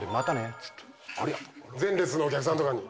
前列のお客さんとかに。